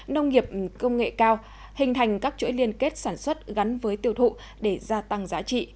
nông nghiệp công nghệ cao hình thành các chuỗi liên kết sản xuất gắn với tiêu thụ để gia tăng giá trị